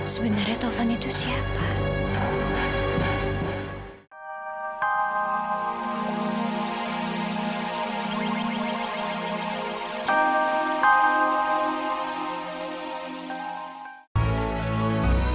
sebenarnya tofan itu siapa